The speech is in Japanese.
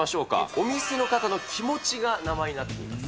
お店の方の気持ちが名前になっています。